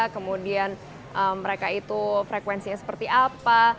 kemudian mereka itu frekuensinya seperti apa